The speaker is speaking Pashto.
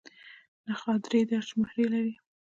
نخاع درې دیرش مهرې لري.